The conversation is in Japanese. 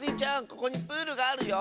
ここにプールがあるよ。